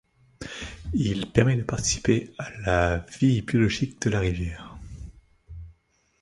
Il permet de participer à la vie biologique de la rivière.